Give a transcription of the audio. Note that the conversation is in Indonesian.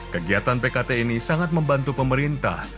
kegiatan pkt ini sangat membantu pemerintah